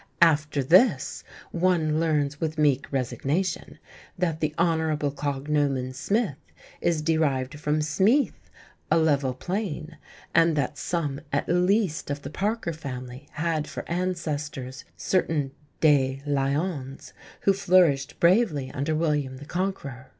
After this, one learns with meek resignation that the honourable cognomen Smith is derived from Smeeth, "a level plain"; and that some, at least, of the Parker family had for ancestors certain De Lions, who flourished bravely under William the Conqueror.